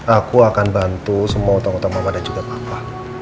aku akan bantu semua utang utang mama dan juga papa